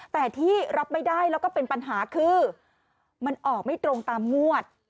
แต่ที่รับไม่ได้แล้วก็เป็นปัญหาคือมันออกไม่ตรงตามงวด